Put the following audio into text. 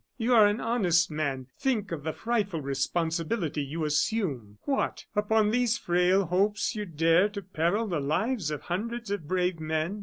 You are an honest man; think of the frightful responsibility you assume! What! upon these frail hopes, you dare to peril the lives of hundreds of brave men?